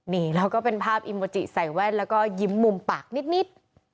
นี่แล้วก็เป็นภาพอิโมจิใส่แว่นแล้วก็ยิ้มมุมปากนิด